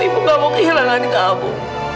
ibu gak mau kehilangan abu